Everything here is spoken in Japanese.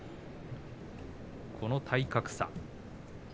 この体格差。